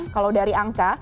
kalau dari angka